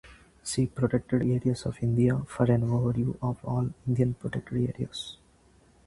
See Protected areas of India for an overview of all Indian protected areas.